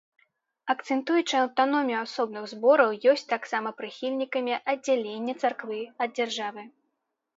Акцэнтуючы аўтаномію асобных збораў, ёсць таксама прыхільнікамі аддзялення царквы ад дзяржавы.